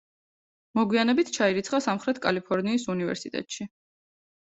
მოგვიანებით ჩაირიცხა სამხრეთ კალიფორნიის უნივერსიტეტში.